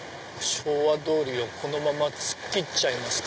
昭和通りをこのまま突っ切っちゃいますか。